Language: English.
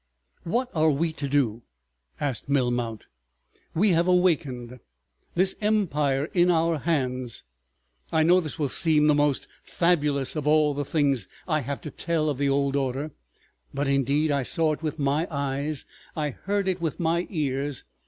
... "What are we to do?" asked Melmount. "We have awakened; this empire in our hands. ..." I know this will seem the most fabulous of all the things I have to tell of the old order, but, indeed, I saw it with my eyes, I heard it with my ears.